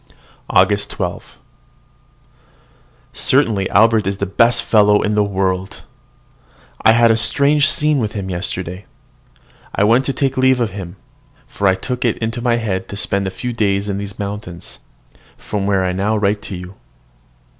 AUGUST 12. Certainly Albert is the best fellow in the world. I had a strange scene with him yesterday. I went to take leave of him; for I took it into my head to spend a few days in these mountains, from where I now write to you.